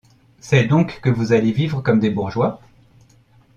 C’est donc que vous allez vivre comme des bourgeois ?…